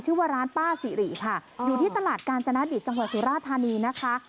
ชื่อว่าร้านป้าสิริค่ะอยู่ที่ตลาดกาญจนดิตจังหวัดสุราธานีนะคะ